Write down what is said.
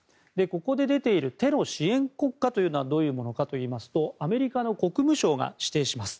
ここで出ているテロ支援国家というのはどういうものかというとアメリカの国務省が指定します。